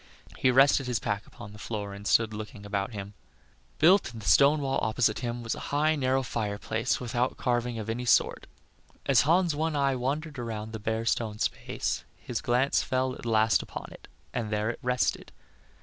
He rested his pack upon the floor and stood looking about him. Built in the stone wall opposite to him, was a high, narrow fireplace without carving of any sort. As Hans' one eye wandered around the bare stone space, his glance fell at last upon it, and there it rested.